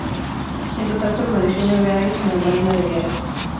En total permaneció nueve años en la Marina de Guerra.